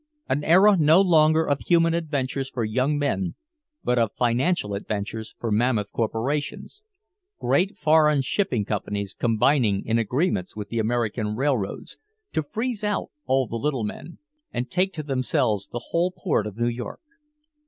An era no longer of human adventures for young men but of financial adventures for mammoth corporations, great foreign shipping companies combining in agreements with the American railroads to freeze out all the little men and take to themselves the whole port of New York.